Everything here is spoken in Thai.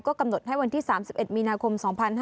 กำหนดให้วันที่๓๑มีนาคม๒๕๕๙